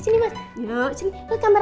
sini kameranya sebelah sini ya